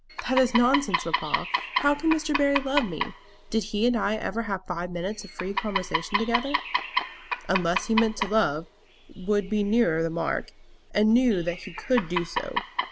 "That is nonsense, papa. How can Mr. Barry love me? Did he and I ever have five minutes of free conversation together?" "Unless he meant to love, would be nearer the mark; and knew that he could do so.